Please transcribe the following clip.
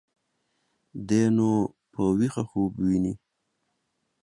دى نو په ويښه خوب ويني.